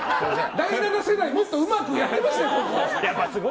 第７世代もっとうまくやってましたよ！